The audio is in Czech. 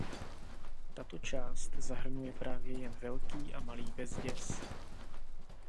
Tato část zahrnuje právě jen Velký a Malý Bezděz.